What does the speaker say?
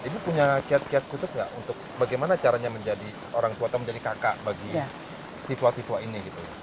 ibu punya kiat kiat khusus nggak untuk bagaimana caranya menjadi orang tua atau menjadi kakak bagi siswa siswa ini gitu